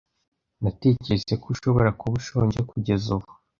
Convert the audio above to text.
Natekereje ko ushobora kuba ushonje kugeza ubu.